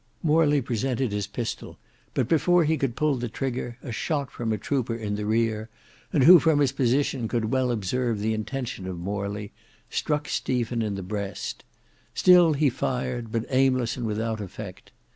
Morley presented his pistol, but before he could pull the trigger a shot from a trooper in the rear, and who from his position could well observe the intention of Morley, struck Stephen in the breast; still he fired, but aimless and without effect.